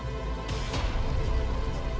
kasian tahu keatna